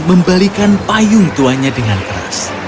membalikan payung tuanya dengan keras